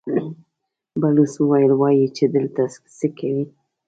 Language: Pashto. بلوڅ وويل: وايي چې دلته څه کوئ؟